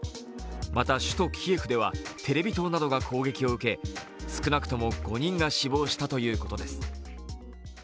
また、首都キエフではテレビ塔などが攻撃を受け少なくとも５人が死亡したということです。